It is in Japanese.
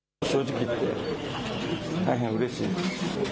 正直言って大変うれしいです。